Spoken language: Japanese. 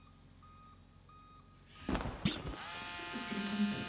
ちょっと違ったみたいですね。